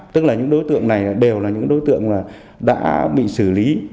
tức là những đối tượng này đều là những đối tượng đã bị xử lý